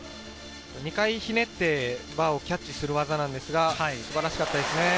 ２回ひねってバーをキャッチする技なんですが、素晴らしかったですね。